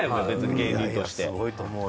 芸人として。